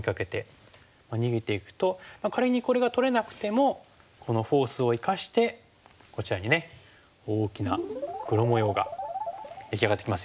逃げていくと仮にこれが取れなくてもこのフォースを生かしてこちらにね大きな黒模様が出来上がってきますよね。